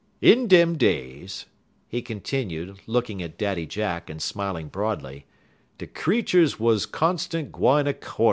In dem days," he continued, looking at Daddy Jack and smiling broadly, "de creeturs wuz constant gwine a courtin'.